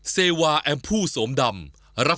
สามารถรับชมได้ทุกวัย